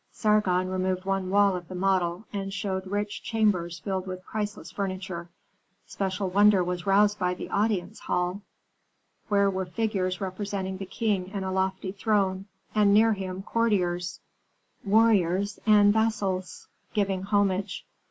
Sargon removed one wall of the model, and showed rich chambers filled with priceless furniture. Special wonder was roused by the audience hall, where were figures representing the king on a lofty throne, and near him courtiers, warriors, and vassals giving homage.